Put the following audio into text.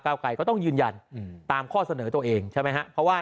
ไกรก็ต้องยืนยันตามข้อเสนอตัวเองใช่ไหมครับเพราะว่า